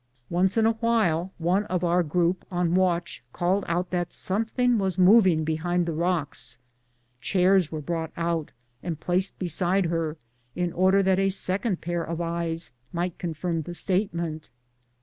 Once in a while one of our group on watch called out that something was moving behind the rocks. Chairs were brought out and placed beside her, in order that a second pair of eyes might confirm the statement.